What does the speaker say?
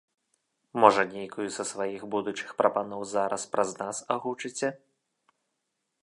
Можа, нейкую са сваіх будучых прапаноў зараз праз нас агучыце?